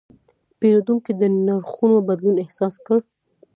پیرودونکی د نرخونو بدلون احساس کړ.